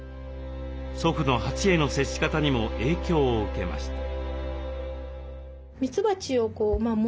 祖父の蜂への接し方にも影響を受けました。